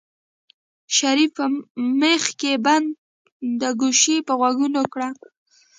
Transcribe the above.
شريف په مېخ کې بنده ګوشي په غوږو کړه.